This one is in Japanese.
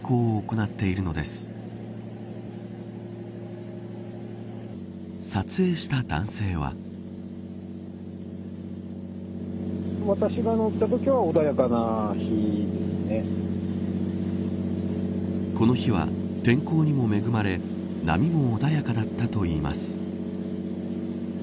この日は天候にも恵まれ波も穏やかだったといいます。